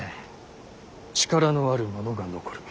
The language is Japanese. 力のある者が残る。